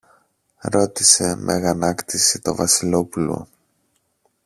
ρώτησε με αγανάκτηση το Βασιλόπουλο.